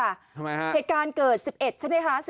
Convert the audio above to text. ทำไมฮะเหตุการณ์เกิด๑๑ใช่ไหมคะ